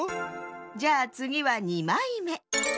じゃあつぎは２まいめ！